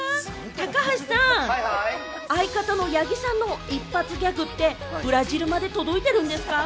高橋さん、相方の八木さんのギャグってブラジルまで届いてるんですか？